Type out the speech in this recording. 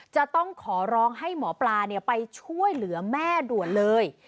จะต้องขอร้องให้หมอปลาไปช่วยเหลือแม่ด่วนเลย